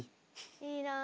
いいなあ。